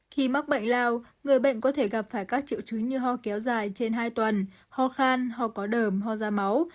khi mắc bệnh lao người bệnh có thể gặp phải các triệu chứng như ho kéo dài trên hai tuần ho khan ho có đờm ho da máu